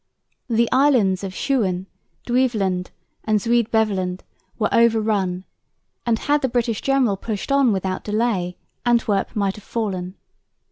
The islands of Schouwen, Duiveland and Zuid Beveland were overrun; and, had the British general pushed on without delay, Antwerp might have fallen.